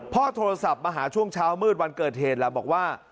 โทรศัพท์มาหาช่วงเช้ามืดวันเกิดเหตุแล้วบอกว่า